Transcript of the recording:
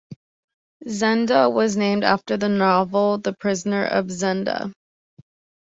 Zenda was named after the novel "The Prisoner of Zenda".